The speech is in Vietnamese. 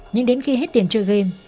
nhưng đến khi hết tiền chơi game